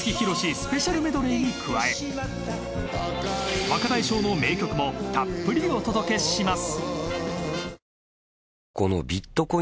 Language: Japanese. スペシャルメドレーに加え若大将の名曲もたっぷりお届けします